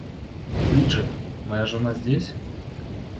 Бриджит, моя жена здесь?